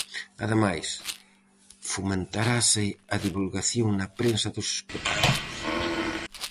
Ademais, fomentarase a divulgación na prensa dos espectáculos.